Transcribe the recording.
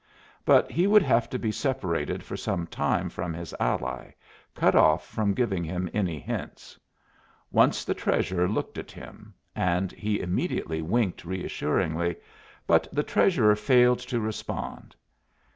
But he would have to be separated for some time from his ally, cut off from giving him any hints. Once the Treasurer looked at him, and he immediately winked reassuringly, but the Treasurer failed to respond.